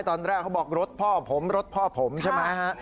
ตอนแรกเขาบอกรถพ่อผมรถพ่อผมใช่ไหมฮะ